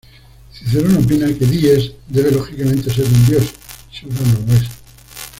Cicerón opina que Dies debe lógicamente ser un dios, si Urano lo es.